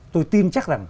tôi tin chắc rằng